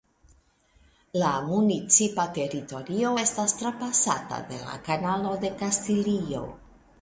La municipa teritorio estas trapasata de la Kanalo de Kastilio.